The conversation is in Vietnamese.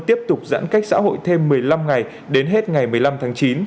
tiếp tục giãn cách xã hội thêm một mươi năm ngày đến hết ngày một mươi năm tháng chín